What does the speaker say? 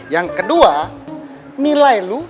yang kedua nilai lu